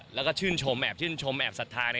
แล้วก็ชื่นชมแอบสัทธา